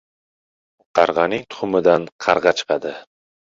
• Qarg‘aning tuxumidan qarg‘a chiqadi.